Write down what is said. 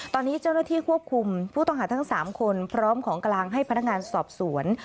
ตอนนี้เจ้าหน้าที่ควบคุมผู้ต้องหาทั้ง๓คนพร้อมของกลางให้พนักงานสอบสวน